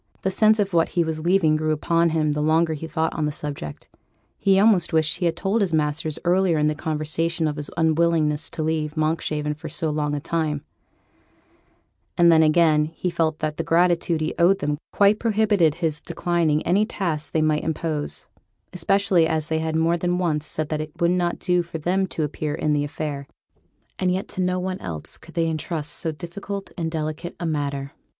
The sense of what he was leaving grew upon him the longer he thought on the subject; he almost wished that he had told his masters earlier in the conversation of his unwillingness to leave Monkshaven for so long a time; and then again he felt that the gratitude he owed them quite prohibited his declining any task they might impose, especially as they had more than once said that it would not do for them to appear in the affair, and yet that to no one else could they entrust so difficult and delicate a matter.